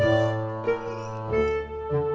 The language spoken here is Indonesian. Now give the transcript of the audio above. ya udah aku tunggu